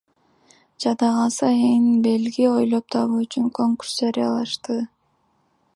Жада калса эн белги ойлоп табуу үчүн конкурс жарыялашты.